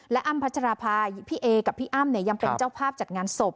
และอ้ำพัชราภาพี่เอกับพี่อ้ำเนี่ยยังเป็นเจ้าภาพจัดงานศพ